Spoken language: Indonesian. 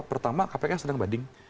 pertama kpk sedang bidding